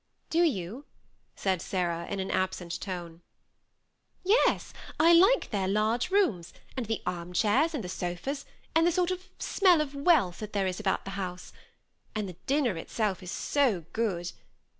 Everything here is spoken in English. ^< Do you ?" said Sarah, in an absent tone. ^^ Yes, I like their large rooms, and the arm chairs, and the sofas, and the sort of smell of wealth that there is about the house. And the dinner itself is so good.